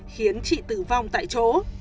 khiến chị tử vong tại chỗ